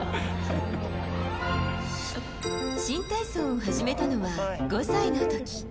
新体操を始めたのは５歳の時。